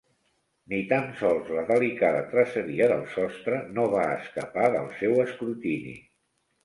Ni tan sols la delicada traceria del sostre no va escapar del seu escrutini.